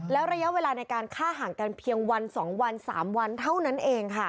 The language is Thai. แล้วระยะเวลาในการฆ่าห่างกันเพียงวัน๒วัน๓วันเท่านั้นเองค่ะ